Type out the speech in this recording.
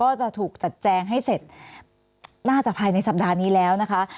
จะถูกจัดแจงให้เสร็จน่าจะภายในสัปดาห์นี้แล้วนะคะ